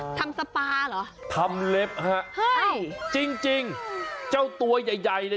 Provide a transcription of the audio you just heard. ทำสปาเหรอทำเล็บฮะเฮ้ยจริงจริงเจ้าตัวใหญ่ใหญ่เนี่ย